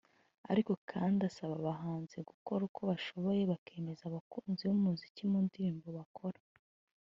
Ariko kandi asaba abahanzi gukora uko bashoboye bakemeza abakunzi b’umuziki mu ndirimbo bakora